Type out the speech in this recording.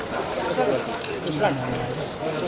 hai selamat menikmati